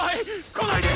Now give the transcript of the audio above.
こないで！